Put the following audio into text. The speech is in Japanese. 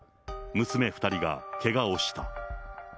娘２人がけがをした。